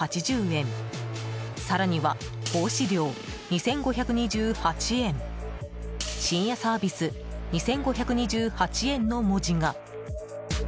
更には、奉仕料２５２８円深夜サービス２５２８円の文字が。